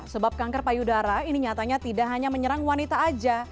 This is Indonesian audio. sebab kanker payudara ini nyatanya tidak hanya menyerang wanita saja